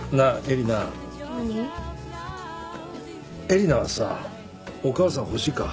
えりなはさお母さん欲しいか？